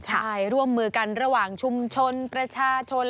ใช่ร่วมมือกันระหว่างชุมชนประชาชน